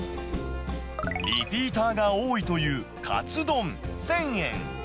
リピーターが多いというかつ丼１０００円。